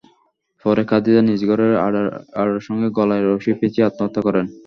পরে খাদিজা নিজ ঘরের আড়ার সঙ্গে গলায় রশি পেঁচিয়ে আত্মহত্যা করেন।